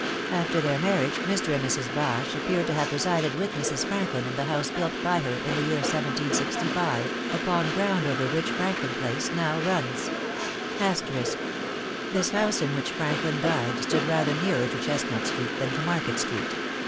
After their marriage, Mr. and Mrs. Bache appear to have resided with Mrs. Franklin in the house built by her in the year 1765, upon ground over which Franklin Place now runs. This house, in which Franklin died, stood rather nearer to Chestnut Street than to Market Street.